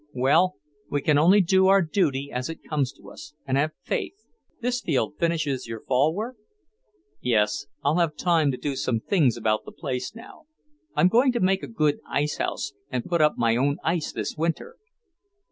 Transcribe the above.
Well, we can only do our duty as it comes to us, and have faith. This field finishes your fall work?" "Yes. I'll have time to do some things about the place, now. I'm going to make a good ice house and put up my own ice this winter."